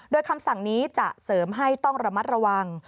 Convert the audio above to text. โดยคำสั่งนี้จะเสริมให้ต้องระมัดระวัง